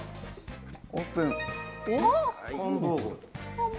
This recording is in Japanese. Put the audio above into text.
オープン！